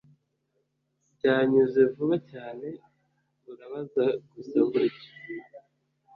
byanyuze vuba cyane, urabaza gusa uburyo